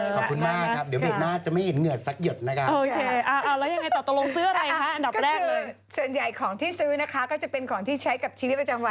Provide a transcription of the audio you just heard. ขอบคุณมากครับเดี๋ยวแรน่ามากล้างจะไม่เอ็นเหงื่อนสักหยดนะคะ